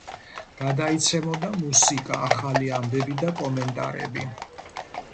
გადაიცემოდა მუსიკა, ახალი ამბები და კომენტარები.